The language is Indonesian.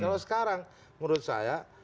kalau sekarang menurut saya